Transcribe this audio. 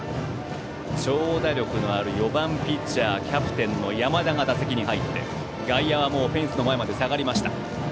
長打力のある４番ピッチャーキャプテンの山田が打席に入って、外野はフェンスの前まで下がりました。